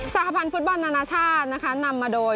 สหภัณฑ์ฟุตบอลณชาตินำมาโดย